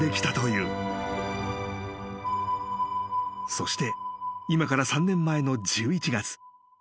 ［そして今から３年前の１１月］